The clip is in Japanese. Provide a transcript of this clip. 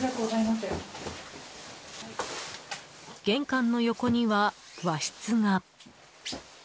玄関の横には和室が。